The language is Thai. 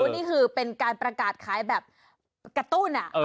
นี่คือเป็นการประกาศขายแบบกระตุ้น